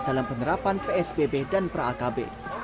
dalam penerapan psbb dan pra akb